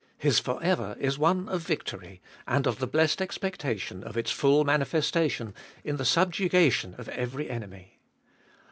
His for ever is one of 342 Cbe Doltest of Bll victory, and of the blessed expectation of its full manifestation in the subjugation of every enemy.